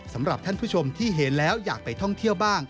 สำหรับท่านผู้ชมที่เห็นแล้วอยากไปท่องเที่ยวบ้าง